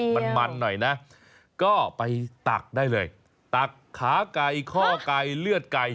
มันมันหน่อยนะก็ไปตักได้เลยตักขาไก่ข้อไก่เลือดไก่